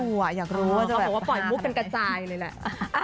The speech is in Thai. น่ารัวอยากรู้ว่าจะปล่อยมุกเป็นกระจายเลยแหละ